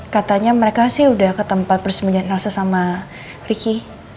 katanya mereka sih udah ketempat persembunyian elsa sama ricky